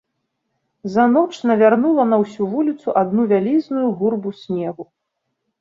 За ноч навярнула на ўсю вуліцу адну вялізную гурбу снегу.